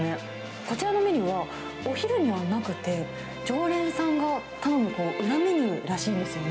こちらのメニューは、お昼にはなくて、常連さんが頼む裏メニューらしいんですよね。